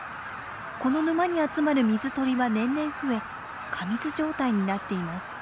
この沼に集まる水鳥は年々増え過密状態になっています。